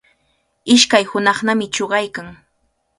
Ishkay hunaqnami chuqaykan.